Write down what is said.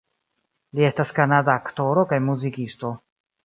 Li estas kanada aktoro kaj muzikisto.